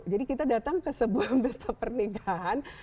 jadi kita datang ke sebuah pesta pernikahan